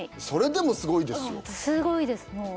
すごいですもう。